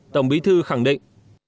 tổng bí thư khẳng định